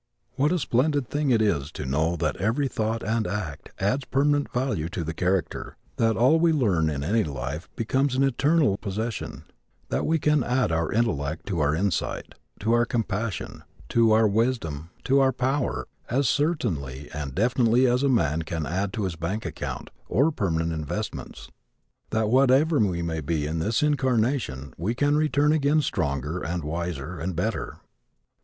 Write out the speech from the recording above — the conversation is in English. What a splendid thing it is to know that every thought and act adds permanent value to the character; that all we learn in any life becomes an eternal possession; that we can add to our intellect, to our insight, to our compassion, to our wisdom, to our power, as certainly and definitely as a man can add to his bank account or permanent investments; that whatever we may be in this incarnation we can return again stronger and wiser and better.